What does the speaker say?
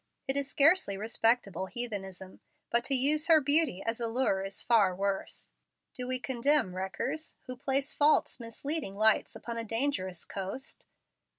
It is scarcely respectable heathenism. But to use her beauty as a lure is far worse. Do we condemn wreckers, who place false, misleading lights upon a dangerous coast?